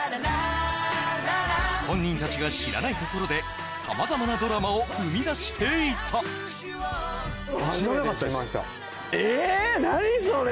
．．．本人たちが知らないところで様々なドラマを生み出していたえ